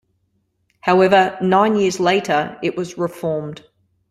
However, nine years later it was reformed.